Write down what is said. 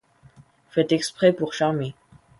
Faites exprès pour charmer